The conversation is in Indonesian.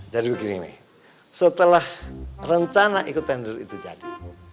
jadi begini nih setelah rencana ikut tender itu jadi